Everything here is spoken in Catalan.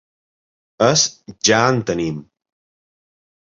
És ‘ja en tenim’.